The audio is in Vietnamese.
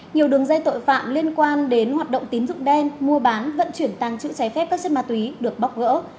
nhiều đường dây tội phạm liên quan đến hoạt động tín dụng đen mua bán vận chuyển tăng trữ trái phép các chất ma túy được bóc gỡ